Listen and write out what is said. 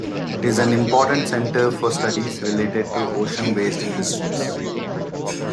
It is an important center for studies related to ocean-based industries.